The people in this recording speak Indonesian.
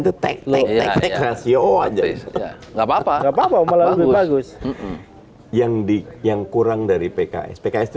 teteknya ya ya ya siodeh nggak papa papa mau bagus yang di yang kurang dari pks pks